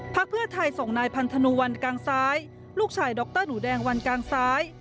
เพื่อไทยส่งนายพันธนูวันกลางซ้ายลูกชายดรหนูแดงวันกลางซ้าย